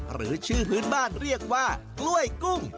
หรือชื่อพื้นบ้านเรียกว่ากล้วยกุ้ง